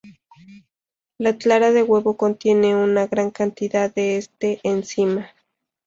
La clara de huevo contiene una gran cantidad de este enzima.